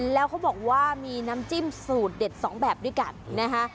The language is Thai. แล้วเขาบอกว่ามีน้ำจิ้มสูตรเด็ดสองแบบด้วยกันนะคะ